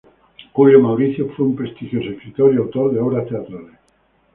Julio Mauricio fue un prestigioso escritor y autor de obras teatrales.